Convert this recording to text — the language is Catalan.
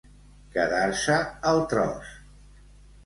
Quedar-se al tros.